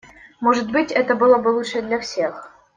Может быть это было бы лучше для всех.